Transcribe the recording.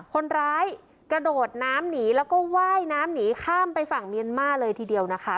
คนร้ายกระโดดน้ำหนีแล้วก็ว่ายน้ำหนีข้ามไปฝั่งเมียนมาเลยทีเดียวนะคะ